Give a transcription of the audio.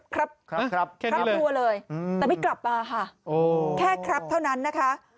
แต่ไม่กลับมาค่ะแค่ครับเท่านั้นนะคะ